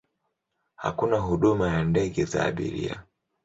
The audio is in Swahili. Hakuna huduma ya ndege za abiria.